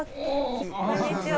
こんにちは。